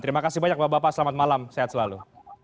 terima kasih banyak bapak bapak selamat malam sehat selalu